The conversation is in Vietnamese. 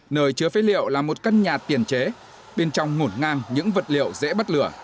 nơi chứa phế liệu là một căn nhà tiền chế bên trong ngổn ngang những vật liệu dễ bắt lửa